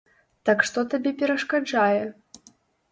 Так што табе перашкаджае?